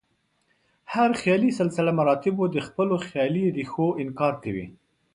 هر خیالي سلسله مراتبو د خپلو خیالي ریښو انکار کوي.